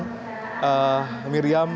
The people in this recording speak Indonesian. miriam sempat berkata